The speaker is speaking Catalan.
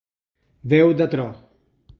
Veu de tro.